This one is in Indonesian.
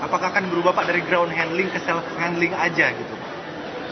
apakah akan berubah pak dari ground handling ke self handling aja gitu pak